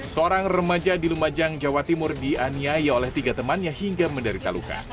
seorang remaja di lumajang jawa timur dianiaya oleh tiga temannya hingga menderita luka